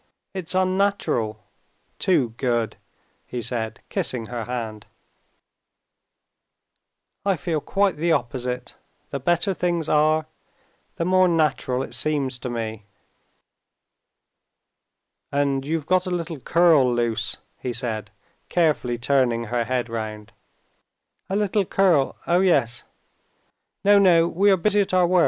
It's unnatural, too good," he said, kissing her hand. "I feel quite the opposite; the better things are, the more natural it seems to me." "And you've got a little curl loose," he said, carefully turning her head round. "A little curl, oh yes. No, no, we are busy at our work!"